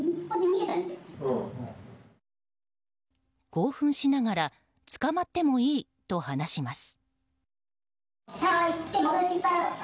興奮しながら捕まってもいいと話します。